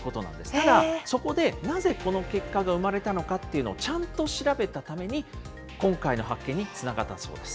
ただ、そこで、なぜこの結果が生まれたのかっていうのをちゃんと調べたために、今回の発見につながったそうです。